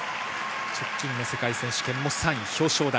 直近の世界選手権も３位の表彰台。